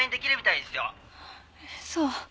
そう。